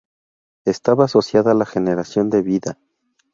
Estaba asociada a la generación de vida.